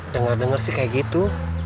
dengar denger sih kaya gitu